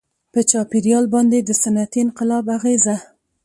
• په چاپېریال باندې د صنعتي انقلاب اغېزه.